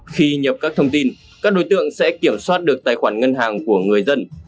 khi nhập các thông tin các đối tượng sẽ kiểm soát được tài khoản ngân hàng của người dân